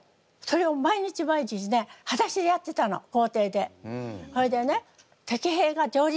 それを毎日毎日ねはだしでやってたの校庭で。